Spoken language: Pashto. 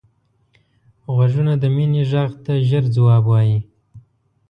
غوږونه د مینې غږ ته ژر ځواب وايي